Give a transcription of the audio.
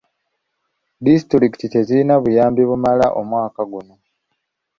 Disitulikiti tezirina buyambi bumala omwaka guno.